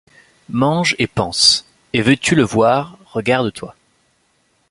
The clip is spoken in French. Mange et pense ; et veux-tu le voir, regarde-toi.